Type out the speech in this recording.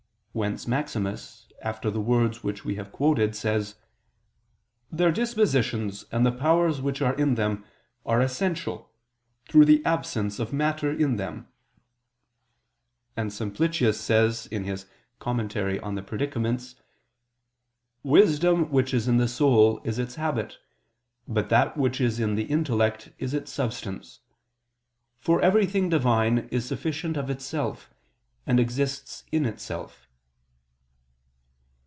Whence Maximus, after the words which we have quoted, says: "Their dispositions, and the powers which are in them, are essential, through the absence of matter in them." And Simplicius says the same in his Commentary on the Predicaments: "Wisdom which is in the soul is its habit: but that which is in the intellect, is its substance. For everything divine is sufficient of itself, and exists in itself."